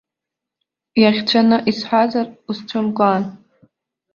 Иаӷьцәаны исҳәазар, усцәымгәаан.